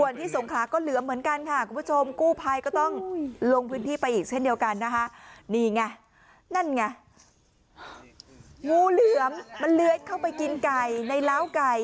งูเหลือมมันเลือดเข้าไปกินไก่ในล้าวไก่